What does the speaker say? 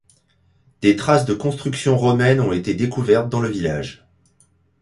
Des traces de constructions romaines ont été découvertes dans le village.